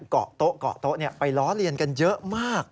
เกาะโต๊ะเกาะโต๊ะไปล้อเลียนกันเยอะมาก